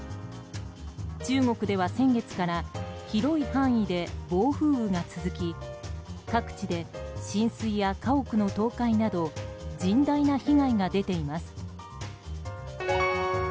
中国では先月から広い範囲で暴風雨が続き各地で浸水や家屋の倒壊など甚大な被害が出ています。